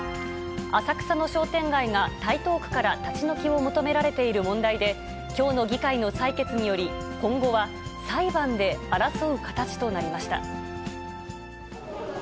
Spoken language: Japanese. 浅草の商店街が台東区から立ち退きを求められている問題で、きょうの議会の採決により、今後は裁判で争う形となりました。